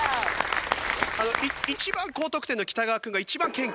一番高得点の北川君が一番謙虚っていう。